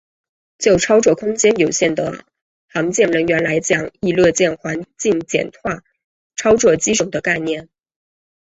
就操作空间有限的航舰人员来讲亦乐见环境简化操作机种的概念。